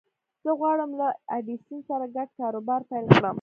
زه غواړم له ايډېسن سره ګډ کاروبار پيل کړم.